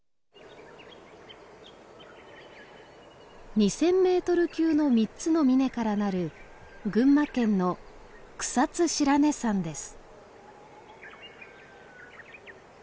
２，０００メートル級の３つの峰からなる群馬県の草津白根山です。